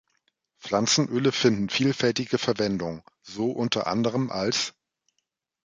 Pflanzenöle finden vielfältige Verwendung, so unter anderem als